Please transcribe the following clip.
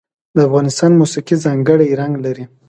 د افغانستان موسیقي ځانګړی رنګ لري.